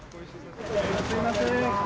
すみません。